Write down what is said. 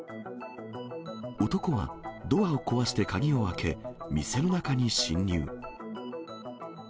男はドアを壊して鍵を開け、店の中に侵入。